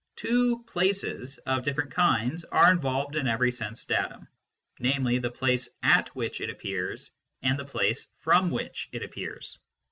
Two " places " of different kinds are involved in every sense datum, namely the place at which it appears and the place from which it appears.